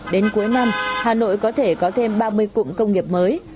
đến cuối năm hà nội có thể có thêm ba mươi cụm công nghiệp mới